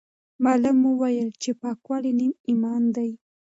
معلم وویل چې پاکوالی نیم ایمان دی.